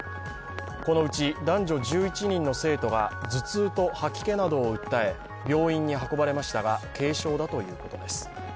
このうち男女１１人の生徒が頭痛と吐き気などを訴え病院に運ばれましたが、軽症だということです。